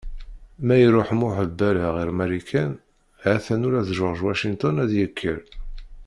Ma iṛuḥ Muḥ Lbala ɣer Marikan, hatan ula d George Washington ad d-yekker.